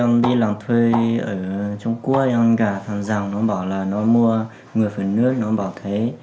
giàng bảo là nó mua người phở nước nó bảo thế